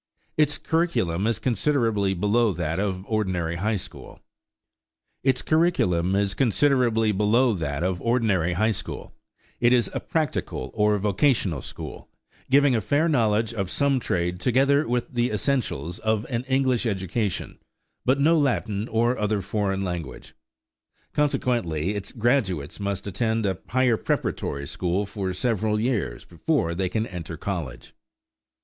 Its curriculum is considerably below that of the ordinary high school; it is a practical or vocational school, giving a fair knowledge of some trade together with the essentials of an English education, but no Latin or other foreign language. Consequently its graduates must attend a higher preparatory school for several years before they can enter college.